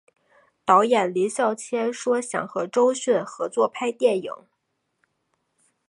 导演林孝谦说想和周迅合作拍电影。